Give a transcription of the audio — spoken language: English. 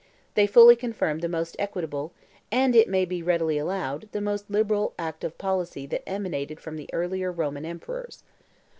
They fully confirm the most equitable, and, it may be readily allowed, the most liberal act of policy that emanated from the earlier Roman emperors.